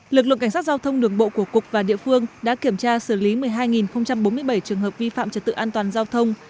lực lượng cảnh sát giao thông đường bộ của cục và địa phương đã kiểm tra xử lý một mươi hai bốn mươi bảy trường hợp vi phạm trật tự an toàn giao thông